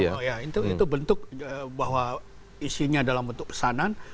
oh ya itu bentuk bahwa isinya dalam bentuk pesanan